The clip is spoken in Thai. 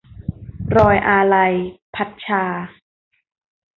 รอยอาลัย - พัดชา